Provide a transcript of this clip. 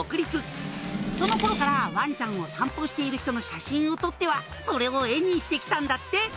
「その頃からワンちゃんを散歩している人の写真を撮ってはそれを絵にして来たんだって」